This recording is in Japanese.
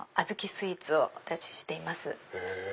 スイーツをお出ししています。